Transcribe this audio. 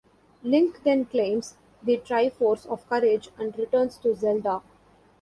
Link then claims the Triforce of Courage and returns to Zelda.